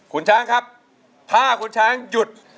คุณช้างครับถ้าคุณช้างหยุด